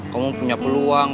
kamu punya peluang